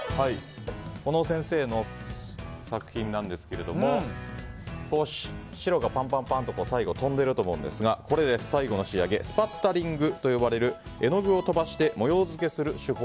この先生の作品なんですけども白がぱんぱんぱんと最後、飛んでいると思うんですが最後の仕上げスパッタリングと呼ばれる絵の具を飛ばして模様付けする手法。